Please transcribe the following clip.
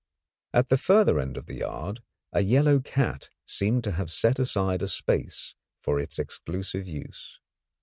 At the further end of the yard a yellow cat seemed to have set aside a space for its exclusive use.